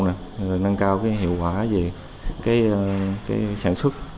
rồi nâng cao cái hiệu quả về cái sản xuất